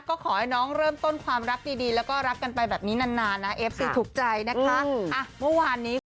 ก็ขอให้น้องเริ่มต้นความรักดีแล้วก็รักกันไปแบบนี้นานนานนะเอฟซีถูกใจนะคะ